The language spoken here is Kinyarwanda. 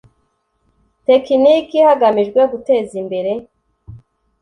tekiniki hagamijwe guteza imbere